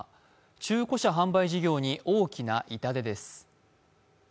中古車販売事業に大きな痛手です。